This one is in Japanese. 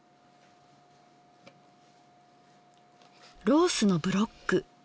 ロースのブロック。